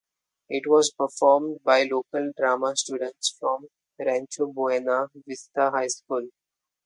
It was performed by local drama students from Rancho Buena Vista High School.